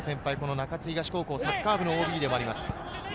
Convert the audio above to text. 中津東高校のサッカー部のＯＢでもあります。